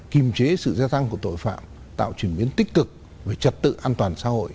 kìm chế sự gia tăng của tội phạm tạo chuyển biến tích cực về trật tự an toàn xã hội